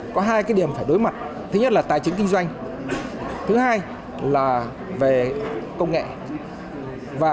có hai cái điểm phải đối mặt thứ nhất là tài chính kinh doanh thứ hai là về công nghệ và